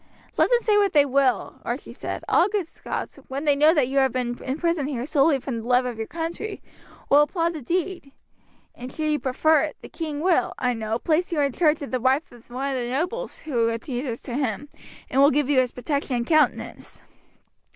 "Let them say what they will," Archie said. "All good Scots, when they know that you have been in prison here solely from the love of your country, will applaud the deed; and should you prefer it, the king will, I know, place you in charge of the wife of one of the nobles who adheres to him, and will give you his protection and countenance.